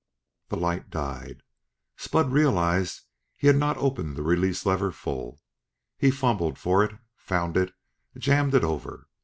The light died. Spud realized he had not opened the release lever full. He fumbled for it found it, jammed it over!